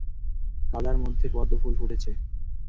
কাদার মধ্যে পদ্ম ফুল ফুটেছে।